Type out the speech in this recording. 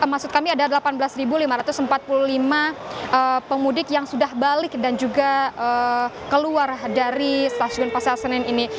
maksud kami ada delapan belas lima ratus empat puluh lima pemudik yang sudah balik dan juga keluar dari stasiun pasar senen ini